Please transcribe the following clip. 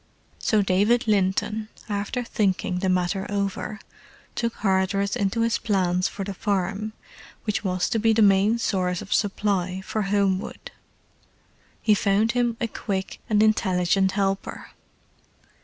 So David Linton, after thinking the matter over, took Hardress into his plans for the farm which was to be the main source of supply for Homewood. He found him a quick and intelligent helper.